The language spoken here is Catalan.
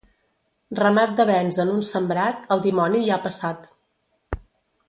Ramat de bens en un sembrat, el dimoni hi ha passat.